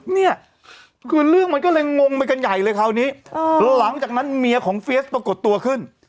เนี่ยคือเรื่องมันก็เลยงงไปกันใหญ่เลยคราวนี้หลังจากนั้นเมียของเฟียสปรากฏตัวขึ้น